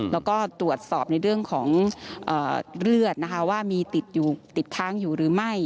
แล้วก็ตรวจสอบในเรื่องของเลือดนะคะว่ามีติดค้างอยู่หรือไม่